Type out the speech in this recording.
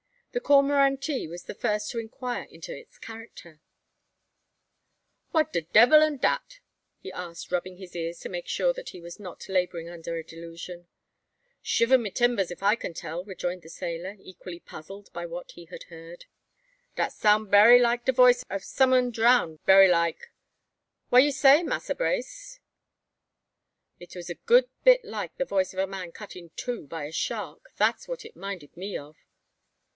The Coromantee was the first to inquire into its character. "Wha' de debbil am dat?" he asked, rubbing his ears to make sure that he was not labouring under a delusion. "Shiver my timbers if I can tell!" rejoined the sailor, equally puzzled by what he had heard. "Dat soun' berry like da voice o' some un go drown, berry like. Wha' say you, Massa Brace?" "It was a good bit like the voice of a man cut in two by a shark. That's what it minded me of."